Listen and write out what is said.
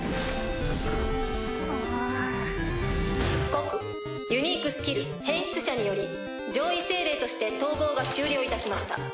告ユニークスキル変質者により上位精霊として統合が終了いたしました。